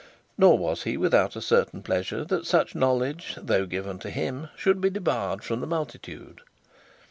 Nor was he without a certain pleasure that such knowledge though given to him should be debarred from the multitude.